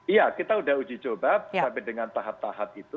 iya kita sudah uji coba sampai dengan tahap tahap itu